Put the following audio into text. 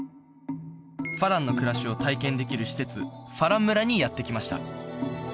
花郎の暮らしを体験できる施設花郎村にやって来ました